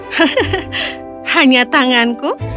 hehehe hanya tanganku